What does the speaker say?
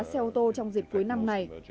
xe ô tô trong dịp cuối năm này